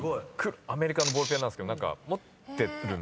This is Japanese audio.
アメリカのボールペンなんですけど何か持ってるんで。